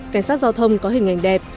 cảnh sát giao thông có hình ảnh đẹp